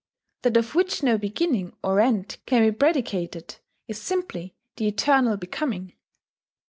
That of which no beginning or end can be predicated is simply the Eternal Becoming.